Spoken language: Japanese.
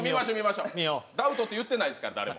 ダウトって言ってないですか、誰も。